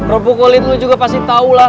robokolit lo juga pasti tau lah